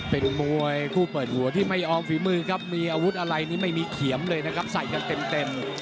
เป็นมวยคู่เปิดหัวที่ไม่ยอมฝีมือครับมีอาวุธอะไรนี่ไม่มีเขียมเลยนะครับใส่กันเต็ม